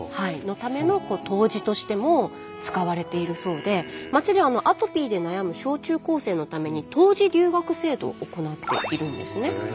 のための湯治としても使われているそうで町ではアトピーで悩む小中高生のために湯治留学制度を行っているんですね。